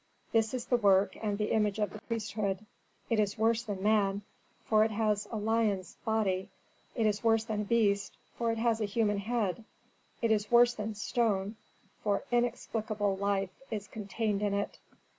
This is the work and the image of the priesthood. It is worse than man, for it has a lion's body; it is worse than a beast, for it has a human head; it is worse than stone, for inexplicable life is contained in it."